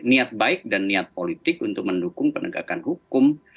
niat baik dan niat politik untuk mendukung penegakan hukum